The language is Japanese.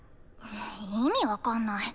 意味分かんない。